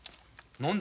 何だ？